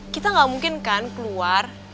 kita nggak mungkin kan keluar